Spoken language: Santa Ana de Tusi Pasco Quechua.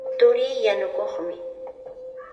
Turii yanukuqmi.